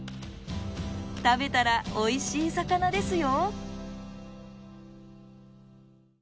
食べたらおいしい魚ですよ